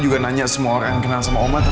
panjat berapa itu